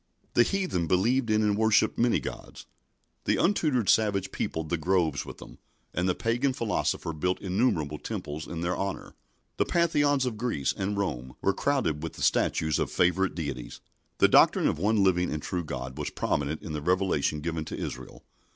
The heathen believed in and worshipped many gods. The untutored savage peopled the groves with them, and the pagan philosopher built innumerable temples in their honour. The Pantheons of Greece and Rome were crowded with the statues of favourite deities. The doctrine of one living and true God was prominent in the revelation given to Israel.